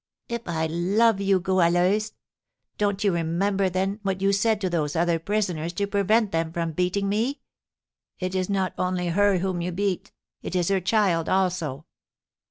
"If I love you, Goualeuse? Don't you remember, then, what you said to those other prisoners to prevent them from beating me? 'It is not only her whom you beat, it is her child also!'